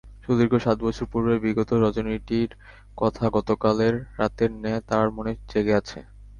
সুদীর্ঘ সাত বছর পূর্বের বিগত রজনীটির কথা গতকালের রাতের ন্যায় তার মনে জেগে আছে।